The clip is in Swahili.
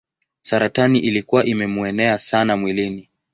Saratani ilikuwa imemuenea sana mwilini.